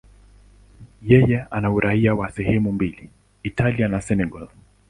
Yeye ana uraia wa sehemu mbili, Italia na Senegal.